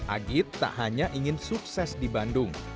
agit tak hanya ingin sukses di bandung